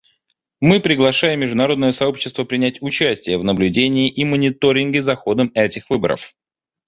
Мы приглашаем международное сообщество принять участие в наблюдении и мониторинге за ходом этих выборов.